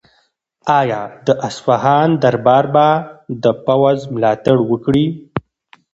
آیا د اصفهان دربار به د پوځ ملاتړ وکړي؟